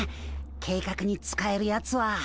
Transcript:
計画に使えるやつは。